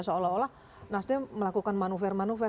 seolah olah nasdem melakukan manuver manuver